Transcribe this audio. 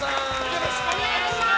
よろしくお願いします。